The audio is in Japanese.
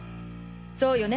そうよね？